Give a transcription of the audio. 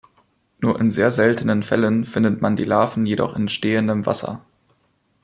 Nur in sehr seltenen Fällen findet man die Larven jedoch in stehendem Wasser.